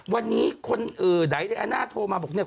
วันนี้คนเอ่อใดใดอาณาโทรมาบอกเนี่ย